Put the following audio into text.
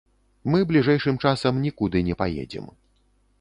Мы бліжэйшым часам нікуды не паедзем.